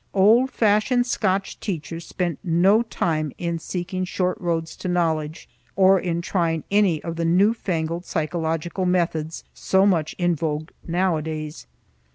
Old fashioned Scotch teachers spent no time in seeking short roads to knowledge, or in trying any of the new fangled psychological methods so much in vogue nowadays.